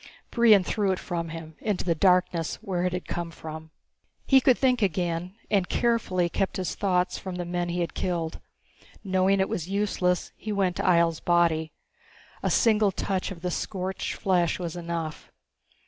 Brion threw it from him, into the darkness where it had come from. He could think again, and he carefully kept his thoughts from the men he had killed. Knowing it was useless, he went to Ihjel's body. A single touch of the scorched flesh was enough.